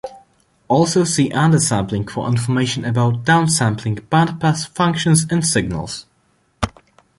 Also see undersampling for information about downsampling bandpass functions and signals.